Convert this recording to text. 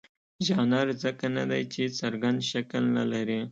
ژانر ځکه نه دی چې څرګند شکل نه لري.